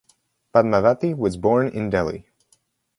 Padmavati was born in Delhi.